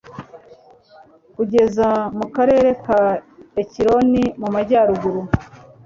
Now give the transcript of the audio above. kugeza mu karere ka ekironi, mu majyaruguru